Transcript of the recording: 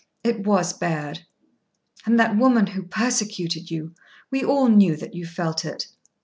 "It was bad." "And that woman who persecuted you! We all knew that you felt it."